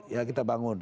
ya kita bangun